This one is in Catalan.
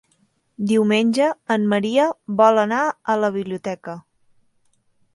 Diumenge en Maria vol anar a la biblioteca.